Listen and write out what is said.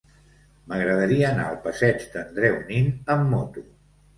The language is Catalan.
M'agradaria anar al passeig d'Andreu Nin amb moto.